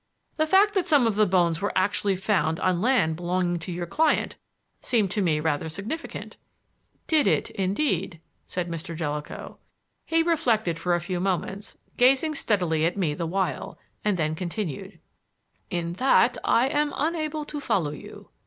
"The fact that some of the bones were actually found on land belonging to your client seemed to me rather significant." "Did it, indeed?" said Mr. Jellicoe. He reflected for a few moments, gazing steadily at me the while, and then continued: "In that I am unable to follow you.